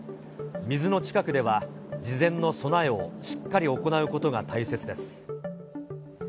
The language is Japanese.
水の近くでは、事前の備えをしっかり行うことが大切です。